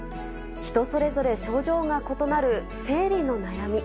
人それぞれ症状が異なる生理の悩み。